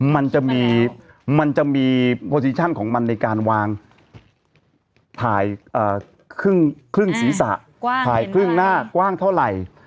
มันจะมีมันจะมีโปรซีชั่นของมันในการวางถ่ายครึ่งศีรษะถ่ายครึ่งหน้ากว้างเท่าไหร่